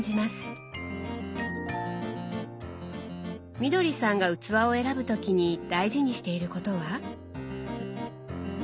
みどりさんが器を選ぶ時に大事にしていることは？